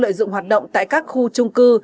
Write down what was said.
lợi dụng hoạt động tại các khu trung cư